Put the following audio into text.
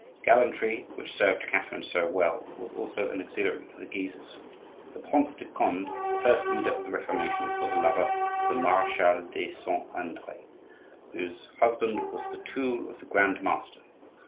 Gallantry, which served Catherine so well, was also an auxiliary of the Guises. The Prince de Conde, the first leader of the Reformation, was a lover of the Marechale de Saint Andre, whose husband was the tool of the Grand Master.